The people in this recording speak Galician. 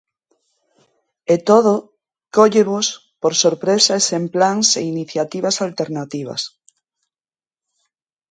E todo cóllevos por sorpresa e sen plans e iniciativas alternativas.